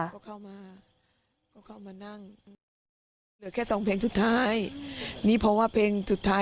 พวกกิ้งเข้าไปหาละ